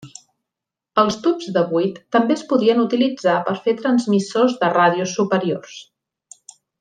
Els tubs de buit també es podien utilitzar per fer transmissors de ràdio superiors.